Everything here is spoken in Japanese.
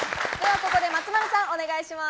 ここで松丸さん、お願いします。